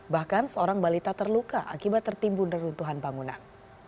bahkan seorang balita terluka akibat tertimbun neruntuhan bangunan